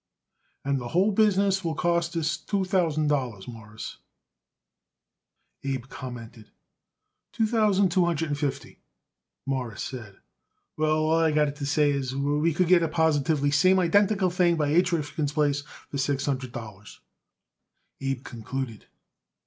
"And the whole business will cost it us two thousand dollars, Mawruss," Abe commented. "Two thousand two hundred and fifty," Morris said. "Well, all I got to say is we would get it the positively same identical thing by H. Rifkin's place for six hundred dollars," Abe concluded.